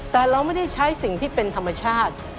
แต่เราไม่ได้ใช้สิ่งที่เป็นธรรมชาติ